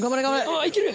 あぁいける？